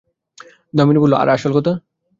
দামিনী বলিল, আর, আসল কথা?